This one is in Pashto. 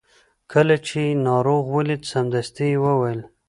کله چې یې ناروغ ولید سمدستي یې وویل.